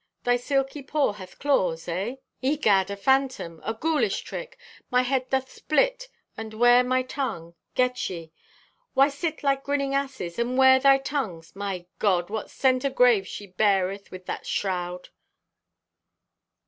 Thy silky paw hath claws, eh? Egad! A phantom! A ghoulish trick! My head doth split and where my tung? Get ye! Why sit like grinning asses! And where thy tungs? My God! What scent o' graves she beareth with that shroud!"